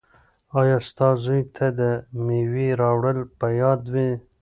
ایا ستا زوی ته د مېوې راوړل په یاد دي؟